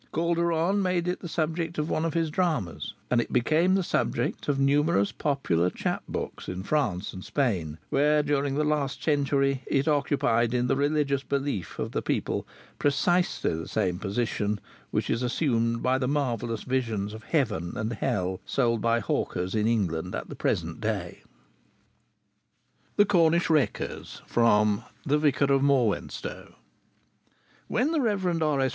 Calderon made it the subject of one of his dramas; and it became the subject of numerous popular chap books in France and Spain, where during last century it occupied in the religious belief of the people precisely the same position which is assumed by the marvelous visions of heaven and hell sold by hawkers in England at the present day. THE CORNISH WRECKERS From 'The Vicar of Morwenstow' When the Rev. R.S.